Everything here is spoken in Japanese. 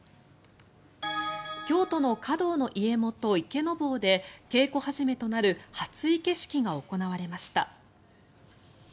京都の華道の家元、池坊で稽古始めとなる初生け式が行われました。